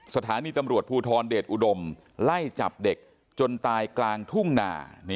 สถานีตำรวจภูทรเดชอุดมไล่จับเด็กจนตายกลางทุ่งนา